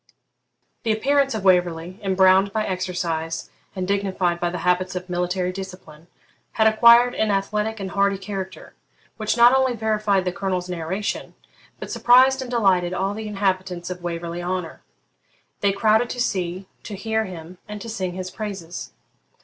The appearance of Waverley, embrowned by exercise and dignified by the habits of military discipline, had acquired an athletic and hardy character, which not only verified the Colonel's narration, but surprised and delighted all the inhabitants of Waverley Honour. They crowded to see, to hear him, and to sing his praises.